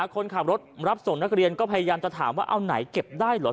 คนขับรถรับส่งนักเรียนก็พยายามจะถามว่าเอาไหนเก็บได้เหรอ